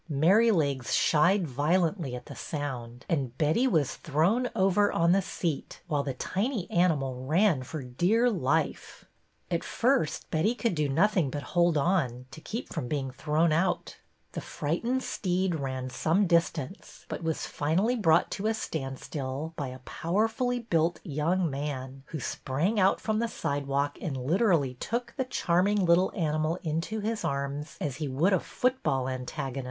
Merry legs shied violently at the sound, and Betty was thrown over on the seat, while the tiny animal ran for dear life. At first Betty could do nothing but hold on, to keep from being thrown out. The frightened steed ran some distance, but was finally brought to a standstill by a powerfully built young man, who sprang out from the sidewalk and literally took the charming little animal into his arms as he would a football antagonist.